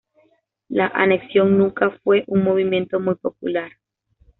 La anexión nunca fue un movimiento muy popular.